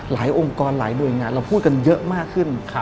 องค์กรหลายหน่วยงานเราพูดกันเยอะมากขึ้น